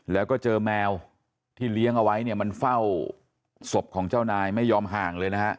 และว้าก็เจอแมวที่เลี้ยงไว้มันเฝ้าสบของเจ้านายไม่ยอมห่างเลยนะค่ะ